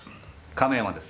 亀山です。